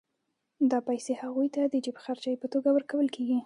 دا پیسې هغوی ته د جېب خرچۍ په توګه ورکول کېږي